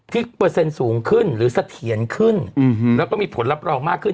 เปอร์เซ็นต์สูงขึ้นหรือเสถียรขึ้นแล้วก็มีผลรับรองมากขึ้น